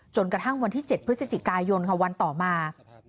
จนกระทั่งวันที่๗พฤศจิกายนค่ะวันต่อมา